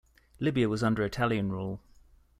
Libya was under Italian rule.